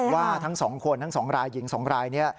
ว่าทั้งสองคนทั้งสองรายหญิงสองรายนี้